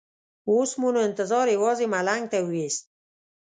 اوس مو نو انتظار یوازې ملنګ ته وېست.